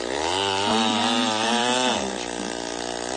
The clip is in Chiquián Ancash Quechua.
Awilaami tanta qaramashqa.